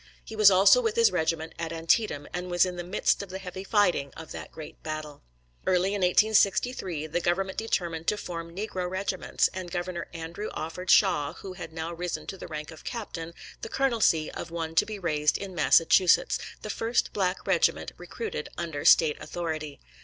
He was also with his regiment at Antietam, and was in the midst of the heavy fighting of that great battle. Early in 1863, the Government determined to form negro regiments, and Governor Andrew offered Shaw, who had now risen to the rank of captain, the colonelcy of one to be raised in Massachusetts, the first black regiment recruited under State authority.